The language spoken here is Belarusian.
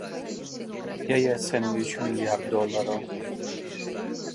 Яе ацэньваюць у мільярд долараў.